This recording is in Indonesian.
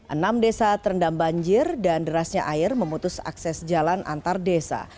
enam desa terendam banjir dan derasnya air memutus akses jalan antar desa